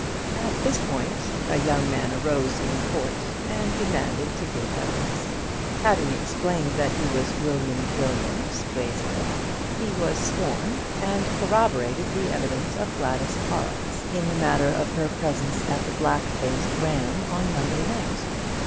At this point a young man arose in court and demanded to give evidence. Having explained that he was William Williams, glazier, he was sworn, and corroborated the evidence of Gladys Horrocks in the matter of her presence at the "Black Faced Ram" on the Monday night.